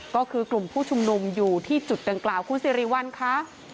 ก็คือกลุ่มผู้ชุมนุมอยู่ที่จุดดังกล่าวคุณสิริวัลค่ะ